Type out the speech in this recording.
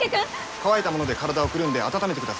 乾いたもので体をくるんで温めてください。